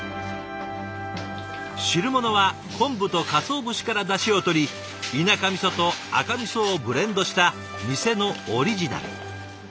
汁物は昆布とカツオ節からダシをとり田舎みそと赤みそをブレンドした店のオリジナル。